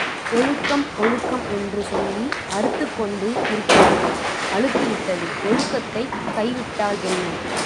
ஒழுக்கம் ஒழுக்கம் என்று சொல்லி அறுத்துக்கொண்டு இருக்கிறார்கள் அலுத்துவிட்டது ஒழுக்கத்தைக் கை விட்டால் என்ன?